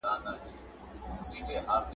نه به مي قبر چاته معلوم وي ..